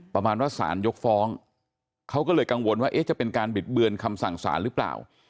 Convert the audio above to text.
ประมาณว่าสารยกฟ้องเขาก็เลยกังวลว่าจะเป็นการบิดเบือนคำสั่งสารหรือเปล่า